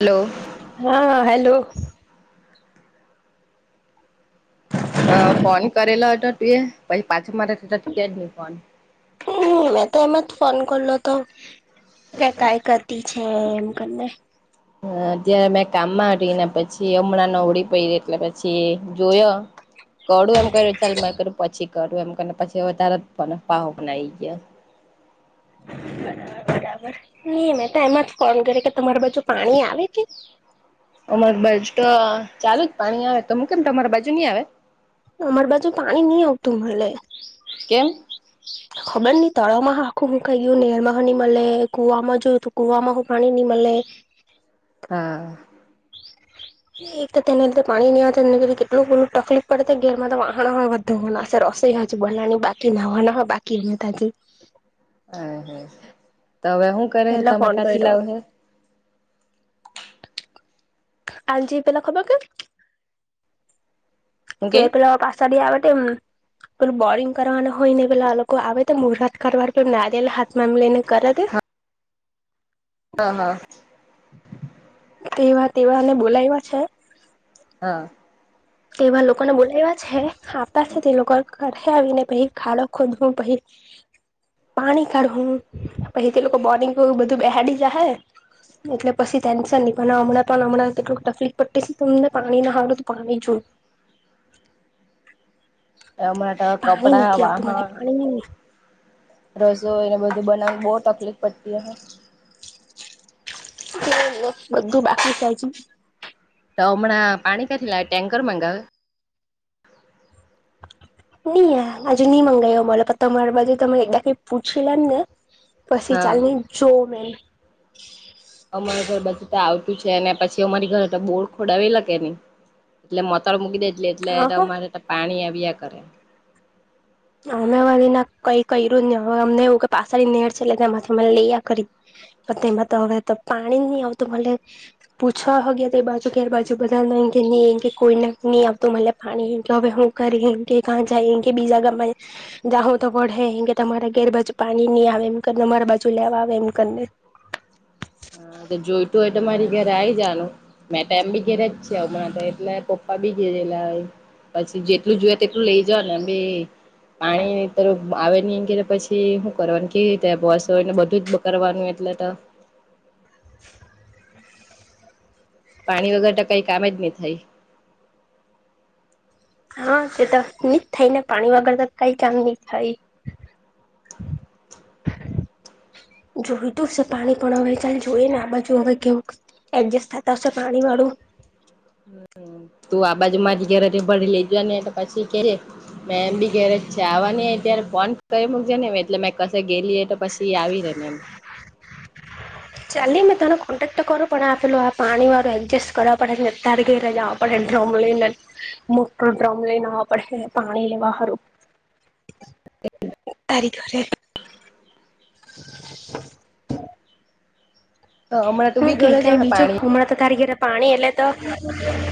Hello હા hello હા phone કરેલો હતો તું એ પહિ પાછો મારાથી તને થીયો જ ની ફોન હમ્મ મે તો એમાંજ ફોન કરલો તો કે કાઈ કરતી છે એમ કરને હ ત્યારે મેં કામમાં આવી ને પછી હમણાં નવડી પડી એટલે પછી જોયો કડુ એમ ક્યુરુ ચાલ મેં કીધું પછી કરું એમ કરને પછી અવે તારોજ ફોન પાહો બનાય ગ્યો [inaudible] બરાબર નું મે તો એમાં જ ફોન કરે કે તમારી બાજુ પાણી આવે કે અમારી બાજુ તો ચાલુ જ પાણી આવે તોમું કેમ તમારા બાજુ નઈ આવે અમાર બાજુ પાણી ની આવતું મલે કેમ ખબર ની તળાવમાં હો આખું હું ખાઈ ગયું નેરમાં હો ની મલે કુવામાં જોયુંતો કુવામાં હો પાણી ની મલે [inaudible] હા. [inaudible] એ તેને લીધે પાણી ની [unintelligible] કેટલું બધું તકલીફ પડે ઘેરમાં તો વાહણ હો ધોવાનાશે રસોઈ [unintelligible] બનાવાની બાકી નાવાના હો બાકી [unintelligible] હ હ તો હવે હું કરે હે એટલે તમે ફોન ક્યાંથી કર્યો લાવ હે આજી પેલા ખબર કેમ કે પેલા પાસાડી આવે [unintelligible] પેલુ બોરિંગ કરવાના હોય ને પેલા લોકો આવે તો મુરાત કારવાર નારિેયેલ હાથમાં એમ લઈ ને કર તે હા હા. તેવા તેવાને બોલાયવા છે. હા. તેવા લોકોને બોલાયવા છે આવતાછે તે લોકો કર હે આવીને પહિ ખાડો ખોદહું પહિ પાણી કાઢહું પહિ તે લોકો બોરિંગ એબધું બેહાડી જા હે એટલે પસી ટેન્શન ની પણ હમણાં પણ હમણાં કેટલું તકલીફ પડતી સે અમને પાણી ના હારું તો પાણી [inaudible] હમણાં તો પાણી કપડા નથી આવતું મને વાહણ પાણી [unintelligible] રસોઈને બધું બનાવને બો તકલીફ પડતી અહે બધું બાકી સાજુ તોમણા પાણી કથી લાવે ટેન્કર મગાવે? નહી આજે નઈ મંગાવયો પણ તમારી બાજુ તમે એકદા કઈ પૂછી લમ ને પછી હા ચાલને જોઉ મે. અમારા ઘર બાધું તો આવતું છે, અને પછી અમારી ઘરે તો બોર ખોડાવે લા કે નહી એટલે મોતર મૂકી દે હા એટલે હા અમારે પાણી આવ્યા કરે. અમે અમેરી ના કઈ કર્યું જ નહિ હવે અમને એવું કે પાછળની નેર છે એ માંથી મને લઈયા કરી પણ તેમાં તો હવે તો પાણી નહી આવતું મલે પૂછવાગયા હો ગયા તે બાજુ ગેર બાજુ બધા ન કોઈ ને ની આવતો મલે પાણી હવે હું કર કેં કા જાય કે બીજા ગા મા જાઉ તો પણે કે તમારે ગેર બાાજુ પાણી નહી આવે એમ કરીને અમારા બાજુ લેવા આવે એમ કરીને [inaudible] હા જોઈતું હોય તો મારી ઘરે આવી જાનું મેં એમ બી ઘરે જ છે એટલે તો હમણાં તો પપ્પા બી ઘેરે લા હોય પછી જેટલું જોયે તેટલું લઈ જાવ ને એમ બી પાણી તોર આવે ની એમ કે તો પછી શું કરવાનું કેવી રીતે રસોઈને બધું જ કરવાનું એટલે તો [inaudible] [inaudible] પાણી વગર તો કઈ કામ જ નહી થાય હા તે તો નિજ થાય ને પાણી વગર તો કઈ કામ નહી થાય. [inaudible] જોયતું હશે પાણી પણ હવે ચાલ જોઈએ ને આ બાજુ હવે કેવું એડજસ્ટ થતા હશે પાણી વાળું. [inaudible] તું આ બાજુ મારી ઘરેથી ભળી લે જા ને પછી કેહે મે એમ બી ઘરે અછા આવવાની હોય ત્યારે ફોન કરી મૂકજે ને એ એટલે મે કસે ગેલી એ તો પછી આવી રેમ એમ. ચાલી મેં તને કોન્ટેક્ટ તો કરો પણ આપેલું આ પાણી વાળું એડજસ્ટ કરવા પડે ને અતાર ઘેરે જવા પડે. ડ્રમ લેઈને મોટો ડ્રમ લેઈને આવા પડે પાણી લેવા હારુ [inaudible] તારી ઘરે. હમણાં તું હું બી ક ઘરે જ કઈ અહે બીજો પાણી હમણાં તો તારી ઘરે પાણી એલે તો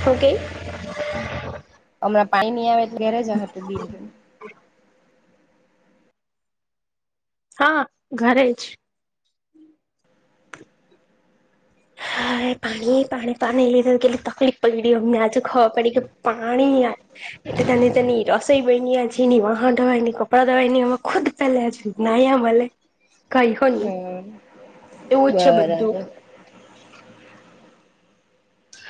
હું કેય પાણી નહી આવે તો ઘેરે જ હત બિ. હા ઘરે જ. હા પાણી પાણી પાણી લીધે કેટલી તકલીફ પયડી અમને આજુ ખબર પડી કે પાણી એ તની તેની રસોઈ બયની હજી એની વાહણ ધોવાય ની કપડાં ધોવાઈ ની એ ખુદ પેલાજ નાહ્યા મલે કઈ હો ની હમ એવું છે બધું. બરાબર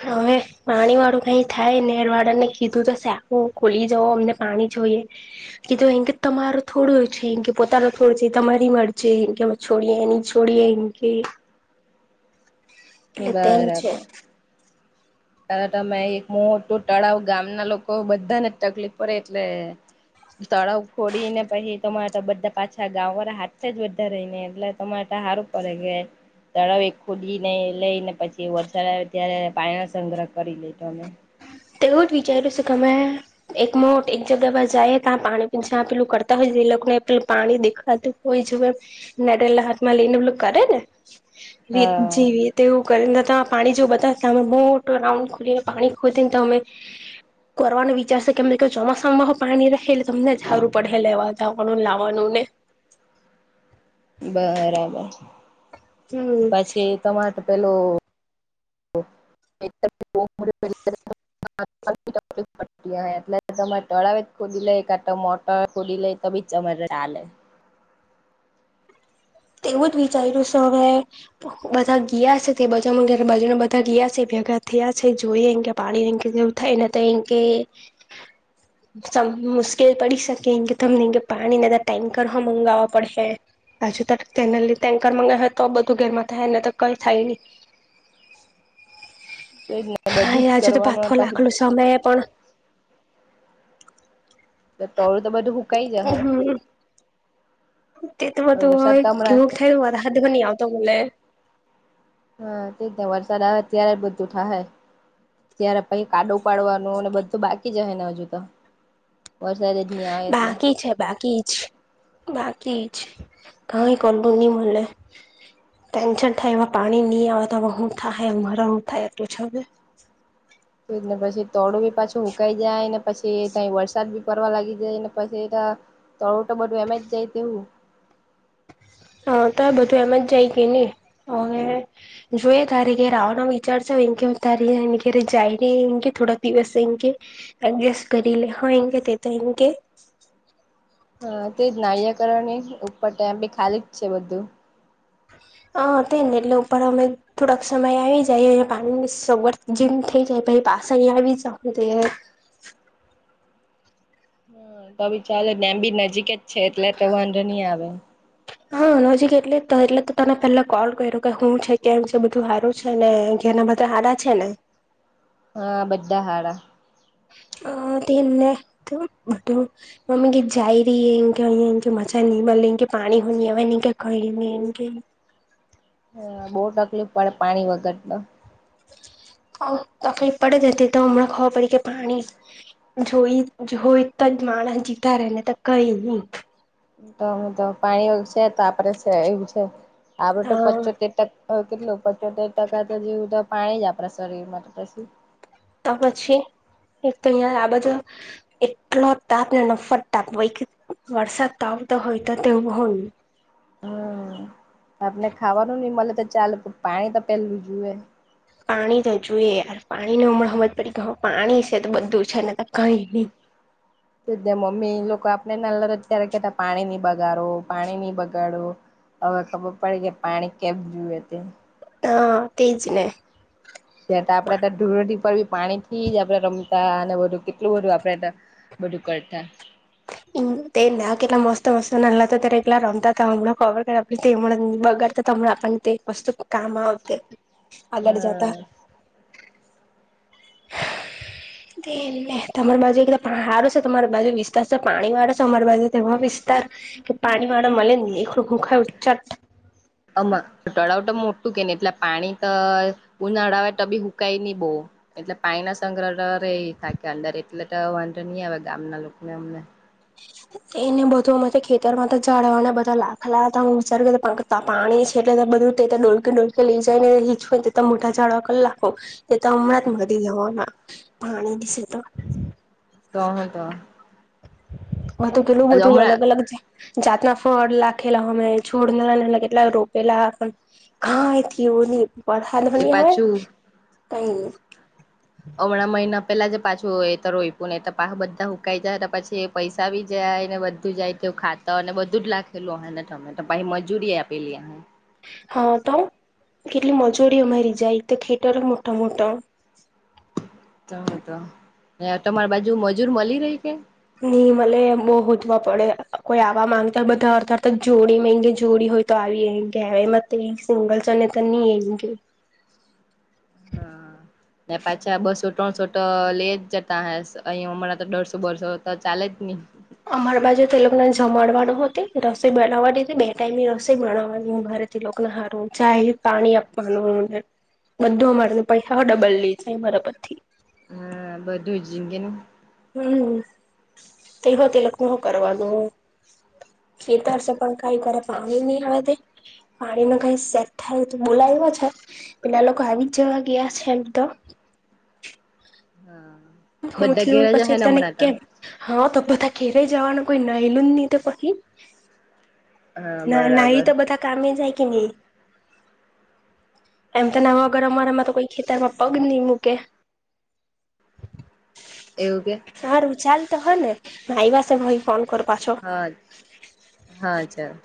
હવે પાણી વાળું કઈ થાય નેર વાળાને કીધું તો સાકું ખુલી જવો અમને પાણી જોઈએ તો એમ કે તમારો થોડો છે, એ કે પોતાનો થોડો છે, તમારી મરજી એમ છોડીએ ન છોડીએ એમકે. એટ તેમ છે. તા તમે એક મોટું તળાવ ગામના લોકો બધાને જ તકલીફ પડે એટલે તળાવ ફોડીને પછી તમારટ બધા પાછા ગાંવ વાળા હાથે જ બધા રહીને એટલે તમાટ સારું પડે કે તળાવ એ ખોદી ને લઈ ને પછી વરસાદ આવે ત્યારે પાણી સંગ્રહ કરી લેતો અમે તો એવું જ વિચાર્યું છે કેમે એક મોટ એક જગ્યા પર જાય ત્યાં પાણી પીનસા પેલું કરતા હોય એ લોકો ને પેલું પાણી દેખાતું હોય જોએ નરેલા હાથમાં લઈ ને પેલું કરે ને રી હા જેવીતે એવું કરી ત પાણી જો બતા ત મોટો રાઉન્ડ ખુદીને પાણી ખો અમે કરવાનું વિચારશે કેમ કે ચોમાસામાં હો પાણી રેહે એટલે તમને જારું પડે લેવા જવાનું લાવાનું. ને બરાબર હમ પછી તમાટ પેલું [unintelligible] ‌. [unintelligible] એટલે તમે તળાવે ખોદી લઈ કાટ મોટર ખોદી લઈ તો બી તમારા તા ચાલે. [inaudible] એવું જ વિચાર્યું સરવે બધા ગયા છે તે બજા ઘ બાજુને બધા ગયા છે. ભગા થયા છે જોઈએ એ કે પાણી જેવું થાય તો એ કે મુશ્કેલ પડી શકે એ કે તમને કે પાણીના ટેન્કરમાં મંગાવવા પડશે. અચ્છા ત તેને લ ટેન્કર મગાવે હોય તો બધું ગેરમાં થાય એને તો કઈ થાય નહી. તો જ ને હા બધું જ આજુ તો પાથો કરવાનું પછી લખલો સમયે પણ ટળું તો બધું હૂકાઈ જશે. હમ તે તો વરસાદ તો બધું હમણાં કેવું થઈું હો હા નહી આવતો ભલે હા તે વરસાદ આવે ત્યારે બધું થાય ત્યારે પ કાડો પાડવાનું ને બધું બાકી જાય ને હજુ તો વરસાદ જ ની આવે એટલે બાકી છે બાકી જ બાકી છે કાં કરલું ન મલે. ટેન્શન થાય એમાં પાણી નહી આવે તો હું થાય મારા હું થાય એટલું છ હ. [inaudible] પછી તોડું બી પાછું ઉકાઈ જાય. પછી ત્યાઈ વરસાદ બી પડવા લાગી જાયને પછી ત તળું તો બધું એમ જ જાય તેવું. હા તો બધું એમ જ જાય ગય કેની હવે જોય તારે કે રવાનો વિચારશો એ કે તારે એ ઘરે જાય ર એ કે થોડા દિવસ એ કે એજ કરી હા એ તો એમકે હા તે જ નાહયકરણ ન ઉપર ટ બી ખાલી જ છે બધું. હ તે ને એટલે ઉપર અમે થોડાક સમય આવી જાય પાણીની સગવડ જેમ ઠીક છે ભાઈ પાસ ભી ચતી તો ભી ચા ડેમ બી નજીક જ છે એટલે તો વાંધો નહી આવે. હા. જી એટલે એટલે તો તને પેલા કોલ કર્યો કે હું છે કેમ છે બધું હારું છે નેના બધા હા- રા છે ને હા બધા હાડા. અ તેને બટ મમ્મી ગી જાય ર એંગંગ મજા. નિમલ કે પાણી એમ કે કઈ નઈ એમ કંઈ ની ને હા બહુ તકલીફ પડે પાણી વગર ત તખલી એ પડે દતી તોમળ ખવા પ કે પાણી જોઈ જોય તો જ માણસ જીતા રે ને તો કઈ નહી. તો પાણી છે તો આપડે એવું છે આપડું તો હા પચોતેર ટક હ કેટલું પંચોતેર ટકા તો જેવું તો પાણી જ આપણા શરીરમાં તો પછી. ત પછી. એક તો અંયા આ બાજુ [unintelligible] એટલો તાપ ને નફત તાપ [unintelligible] વરસાદ તોવ તો હોય તો તેવુ હોય. અ આપને ખાવાનું ની મલે તો ચાલે પાણી તો પેલું જુએ. પાણી તો જુએ યરે પાણી નું અમણાં હમજ પડી કે હ પાણી છે તો બધું છે નય તર. હમ તેજ ને મમ્મી લો કો આપણે નાંલા હતા ત્યારે કેતા પાણી ની બગાડો પાણી ની બગાડો અવે ખબર પડી કે પાણી કેમ જુએ તે. અ તેેજને. ત્યારે આપડે તો ધુરેટી પર ભી પાણી થી જ આપળે રમતા અને બધું કેટલું બધું આપળે ટ બધું કરતા. હમ. તેજ ને આ કેટલા મસ્ત-મસ્ત નાણલા હતા ત્યારે એકટલા રમતા તા હમણાં ખબર કે અમણાં બગાતા તો અમણાં આપ પણ તે વસ્તુ કામ આવતે, આગળ જતા. હા તમાર બાજુ એકદા હારૂ છે તમારે બાજુ વિસ્તાર સ પાણી વાળા સે અમાર બાજુ તમાર વિસ્તાર કે પાણી વાળા મલે જ ની એખલુ હુંખાય ચ્ચત. અમા તળાવ તો મોટું કે ની એટલે પાણી તો ઉનાળા આવે તો બી હુકય ની બો એટલે પાણી ના સંગ્રર રે થાકે અંદર એટલે તો વાંધો ની આવે ગામના લોકને અમને. એને બધું અમે ખેતર માં તો જાળવા અને બધા લાખ લાવતા હોય વિચાર [unintelligible] પાણી છે. [unintelligible] [unintelligible] બધું તે તો ડોલકે-ડોલકે લઈ જાય ને [unintelligible] મોટા જાળવા કરલાખો તે તો હમણાં જ વદી [unintelligible] જવાના પાણીનીસે તો. તો હું તો મા તો કેટલું બધું હમણાં અલગ-અલગ જે જાતના ફળ લખેલા અમે છોડ ને નાના કેટલા રોપેલા પણ કાઈ થીયુ ની વરહાદ હો એ ની આવે, પાછું કઈ ની. અમણા મહિના પેલા જે પાછું એ તોઈપ્યું ને તો પાહા બધા હુકાઈ જાહે તો પછી એ પૈસા ભી જાય ને બધું જાય તો ખાતાર ને બધું જ લખેલું ઓહે ને તમે તો પાહી મજૂરી એ આપેલી ઓહે. હા તો કેટલી મજૂરી અમારી જાય, એક તો ખેતર મોટા-મોટા. તો હું તો, તમાર બાજુ મજૂર મલી રેય કે? ની મલે બો ગોતવા પડે અ-અ કોઈ આવા માંગતા બધા અળધા અળઘા તો જોડી જોડી હોય તો આવીયે એમ કેય એમ જ તો સિંગલ ચલ ની એેમ કેય. [inaudible] [inaudible] હા ને પાછા બસો ત્રણસો તો લે જ જતા ઓહે અંયા અમરા તો દઢસો બસો તો ચાલે જ ની. અમારા બાજુ તો એ લોકો જમાડવાનું હો કેય રસોઈ બનાવાની તે બે ટાઈમની રસોઈ બનાવાની અમારે ઉપર થી લોકના હારું ચાય પાણી આપાનું ને બધું અમારે પૈહા હો ડબલ લઈ જાય અમારા પરથી. હા બધું અમ કે ની. [inaudible] હમ તે હો તે લોકનુ હું કરવાનું. ખેતર સફળ ખાય પર પાણી ની આવે તે, પાણી ન કઈ સેટ થાય તો બોલાય હો છે પેલા લોકો આવી જ જેવા ગયા છે એમ તો. હા. હું બધા થીયુ ઘેર જ પછી હે ને તને હમણાં તો કેમ, હા તો બધા ઘેરે જવાનું કોઈ નહલું ની તે પખી. હા ના-ના બરાબર ઈ તો બધા કામે જાય ની એમ તો નાવા વગર અમારામાં તો કોઈ ખેતરમાં પગ ની મૂકે. એવું કે સારું ચાલ તો હ ને આઇવા સે તો ફોન કરૂ. હા-હા ચાલ.